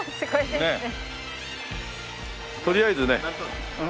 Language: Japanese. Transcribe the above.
とりあえずね。何等？